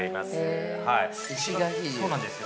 ◆そうなんですよ。